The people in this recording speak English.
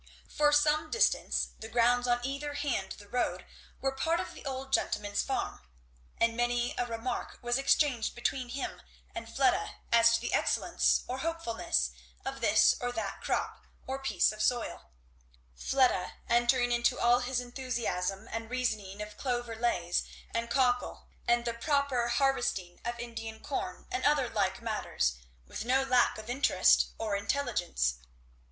For some distance the grounds on either hand the road were part of the old gentleman's farm; and many a remark was exchanged between him and Fleda as to the excellence or hopefulness of this or that crop or piece of soil; Fleda entering into all his enthusiasm, and reasoning of clover leys and cockle and the proper, harvesting of Indian corn and other like matters, with no lack of interest or intelligence.